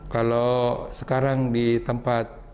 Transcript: kalau sekarang di tempat